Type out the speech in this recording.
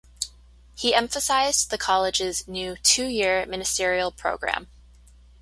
He emphasized the college's new two-year ministerial program.